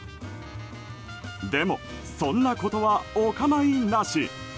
でも、そんなことはお構いなし。